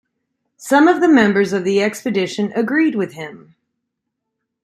Some of the members of the expedition agreed with him.